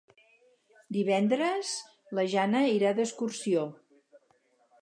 Divendres na Jana irà d'excursió.